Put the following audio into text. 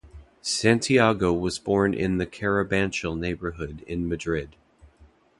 Santiago was born in the Carabanchel neighbourhood in Madrid.